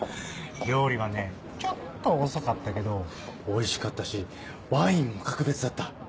料理はねちょっと遅かったけどおいしかったしワインも格別だった。